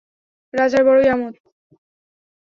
রাজার বড়ই আমােদ!